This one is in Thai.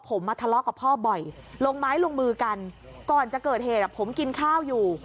ผมมาทะเลาะกับพ่อบ่อยลงไม้ลงมือกันก่อนจะเกิดเหตุผมกินข้าวอยู่